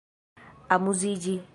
amuziĝi